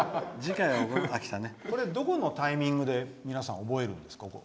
これ、どこのタイミングで皆さん、覚えるんですか？